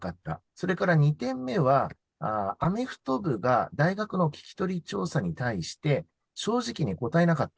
それから２点目は、アメフト部が大学の聞き取り調査に対して、正直に答えなかった。